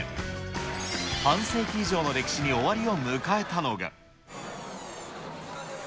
半世紀以上の歴史に終わりを迎えたのが。